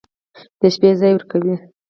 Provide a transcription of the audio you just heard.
د شپې ځاى وركوي.